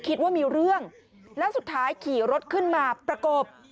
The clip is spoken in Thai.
คิดว่ามีเรื่องแล้วสุดท้ายขี่รถขึ้นมาประกบ